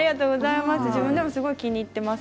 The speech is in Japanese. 自分でもすごく気に入っています